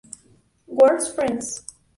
Worst Friends